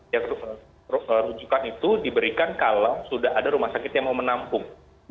yang rujukan itu diberikan kalau sudah ada rumah sakit yang mau menampung